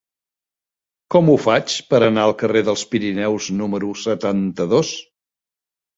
Com ho faig per anar al carrer dels Pirineus número setanta-dos?